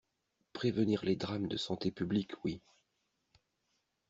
Prévenir les drames de santé publique, oui.